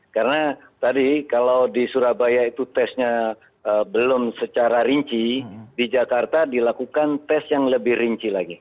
karena tadi kalau di surabaya itu tesnya belum secara rinci di jakarta dilakukan tes yang lebih rinci lagi